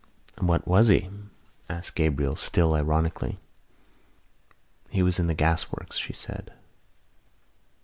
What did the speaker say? "What was he?" asked Gabriel, still ironically. "He was in the gasworks," she said.